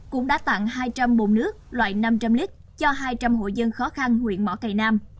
cũng đã tặng hai trăm linh bồn nước loại năm trăm linh lít cho hai trăm linh hộ dân khó khăn huyện mỏ cầy nam